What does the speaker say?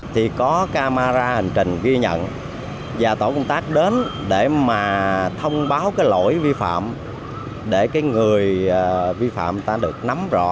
thì có camera hành trình ghi nhận và tổ công tác đến để mà thông báo cái lỗi vi phạm để cái người vi phạm ta được nắm rõ